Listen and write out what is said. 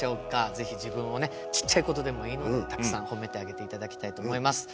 ぜひ自分をねちっちゃいことでもいいのでたくさん褒めてあげて頂きたいと思います。